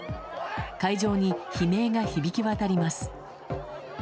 会場に悲鳴が響き渡ります。